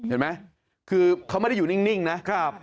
เห็นไหมคือเขาไม่ได้อยู่นิ่งนะ